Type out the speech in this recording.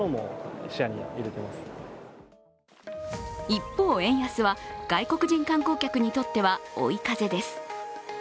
一方、円安は外国人観光客にとっては追い風です。